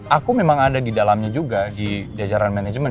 aku memang ada di dalamnya juga di jajaran manajemen